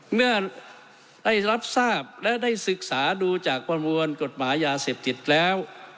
เมื่อได้รับทราบและได้ศึกษาดูจากประมวลกฎหมายยาเสพติดแล้ว